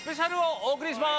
お送りします！